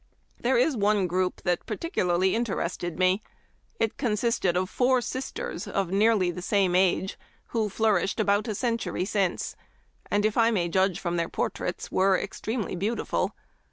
" There is one group that particularly inter ested me. It consisted of four sisters of nearly the same age, who flourished about a century since ; and, if I may judge from their portraits, were extremely beautiful.